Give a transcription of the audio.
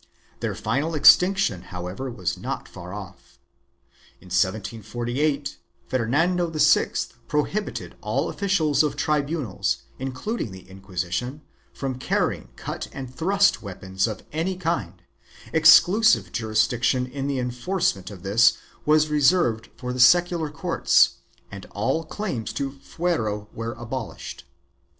4 Their final extinction, however, was not far off. In 1748, Fernando VI prohibited all officials of tribunals, including the Inquisition, from carrying cut and thrust weapons of any kind; exclusive jurisdiction in the enforcement of this was reserved for the secular courts and all claims to fuero were abolished.